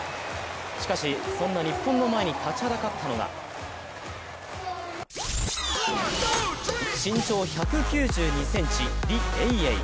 しかし、そんな日本の前に立ちはだかったのが身長１９２ｃｍ、リ・エイエイ。